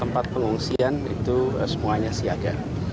tempat pengungsian itu semuanya siaga